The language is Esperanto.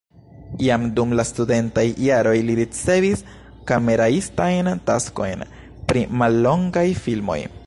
Jam dum la studentaj jaroj li ricevis kameraistajn taskojn pri mallongaj filmoj.